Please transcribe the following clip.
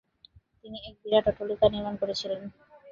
তিনি এক বিরাট অট্টালিকা নির্মাণ করেছিলেন।